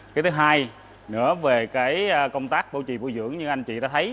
cái thứ hai nữa về công tác bảo trì bộ dưỡng như anh chị đã thấy